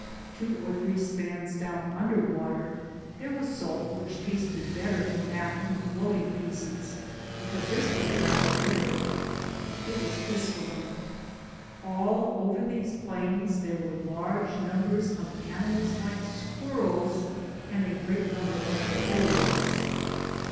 Two or three spans down under water there was salt which tasted better than that in the floating pieces, because this was rather bitter. It was crystalline. All over these plains there were large numbers of animals like squirrels and a great number of their holes.